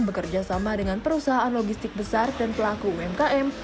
bekerja sama dengan perusahaan logistik besar dan pelaku umkm